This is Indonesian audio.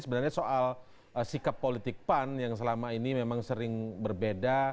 sebenarnya soal sikap politik pan yang selama ini memang sering berbeda